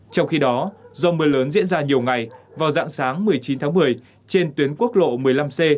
trong khi đó do mưa lớn diễn ra nhiều ngày vào dạng sáng một mươi chín tháng một mươi trên tuyến quốc lộ một mươi năm c